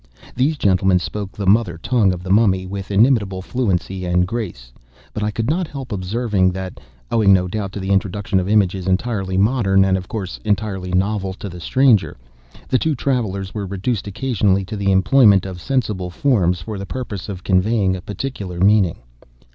These gentlemen spoke the mother tongue of the Mummy with inimitable fluency and grace; but I could not help observing that (owing, no doubt, to the introduction of images entirely modern, and, of course, entirely novel to the stranger) the two travellers were reduced, occasionally, to the employment of sensible forms for the purpose of conveying a particular meaning.